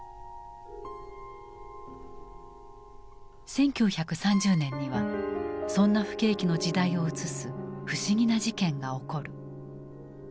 １９３０年にはそんな不景気の時代を映す不思議な事件が起こる。